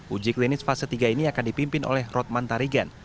uji klinis fase tiga ini akan dipimpin oleh rotman tarigan